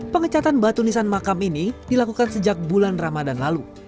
pengecatan batu nisan makam ini dilakukan sejak bulan ramadan lalu